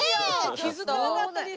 気づかなかったです。